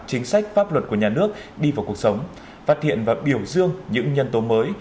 chính sách pháp luật của nhà nước đi vào cuộc sống phát hiện và biểu dương những nhân tố mới